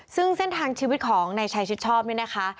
ซึ่งเส้นทางชีวิตของนายชายชิดชอบเนี่ยนะคะ